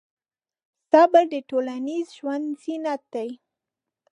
صبر د ټولنیز ژوند زینت دی.